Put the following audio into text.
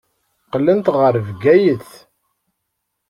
Qqlent ɣer Bgayet.